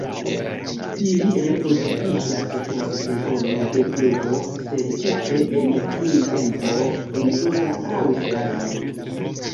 Ili reproduktiĝas post sezono de pluvo sed ĉefe en printempo en Suda Aŭstralio.